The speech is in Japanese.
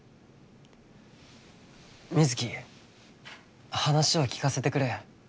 水城話を聞かせてくれ。